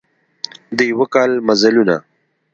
د یوه کال مزلونه